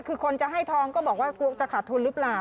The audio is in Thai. คือคนจะให้ทองก็บอกว่ากลัวจะขาดทุนหรือเปล่า